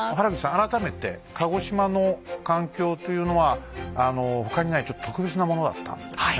改めて鹿児島の環境というのは他にないちょっと特別なものだったんですね。